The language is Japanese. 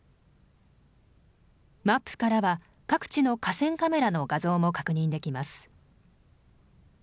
マップからは各地の河川カメラの画像も確認できます。